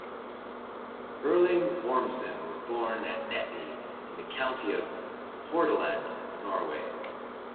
Erling Ormsson was born at Etne in the county of Hordaland, Norway.